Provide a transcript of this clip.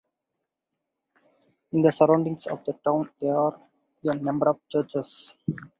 In the surroundings of the town there are a number of churches.